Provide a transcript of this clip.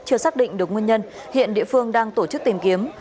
chưa xác định được nguyên nhân hiện địa phương đang tổ chức tìm kiếm